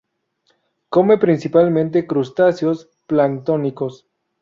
Come principalmente crustáceos planctónicos.